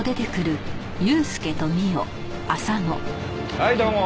はいどうも。